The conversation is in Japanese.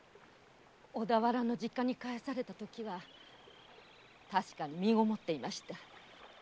小田原の実家に帰されたときは確かに身ごもっていました。